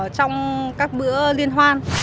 trong các bữa liên hoan